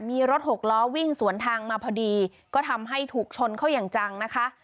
มีรถหกล้อวิ่งสวนทางมาพอดีก็ทำให้ถูกชนเข้าอย่างจังนะคะ